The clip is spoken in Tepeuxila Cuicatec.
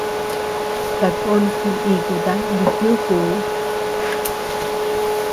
Takon jinikuta nutiukuu.